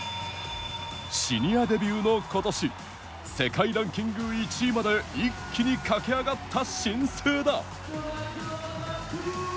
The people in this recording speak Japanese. シニアデビューの今年世界ランキング１位まで一気に駆け上がった新星だ。